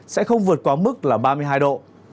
sẽ không vượt quá mức là ba mươi hai độ